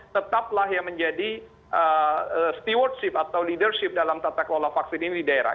tetaplah yang menjadi stewardship atau leadership dalam tata kelola vaksin ini di daerah